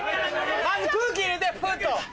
まず空気入れてプッと！